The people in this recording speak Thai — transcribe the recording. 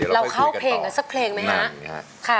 เราเข้าเพลงกันสักเพลงไหมคะ